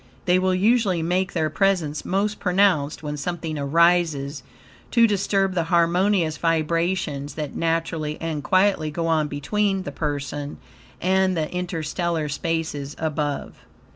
They will usually make their presence most pronounced when something arises to disturb the harmonious vibrations that naturally and quietly go on between the person and the interstellar spaces above.